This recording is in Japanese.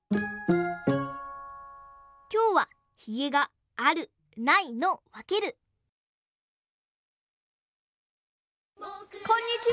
きょうはヒゲがあるないのわけるこんにちは！